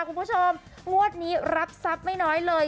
คุณผู้ชมงวดนี้รับทรัพย์ไม่น้อยเลย